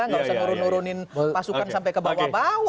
nggak usah nurun nurunin pasukan sampai ke bawah bawah